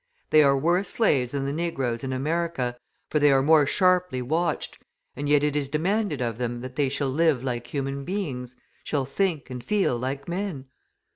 They are worse slaves than the negroes in America, for they are more sharply watched, and yet it is demanded of them that they shall live like human beings, shall think and feel like men!